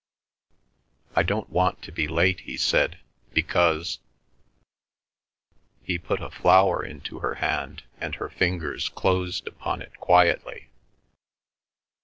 "I don't want to be late," he said, "because—" He put a flower into her hand and her fingers closed upon it quietly.